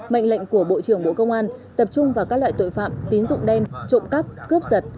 mệnh lệnh của bộ trưởng bộ công an tập trung vào các loại tội phạm tín dụng đen trộm cắp cướp giật